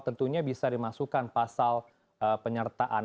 tentunya bisa dimasukkan pasal penyertaan